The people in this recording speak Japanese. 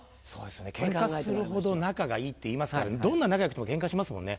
「ケンカするほど仲がいい」っていいますからどんな仲良くてもケンカしますもんね。